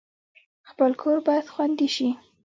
خپل کور باید خوندي شي